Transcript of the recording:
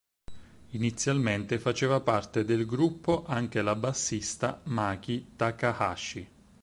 Inizialmente faceva parte del gruppo anche la bassista Maki Takahashi.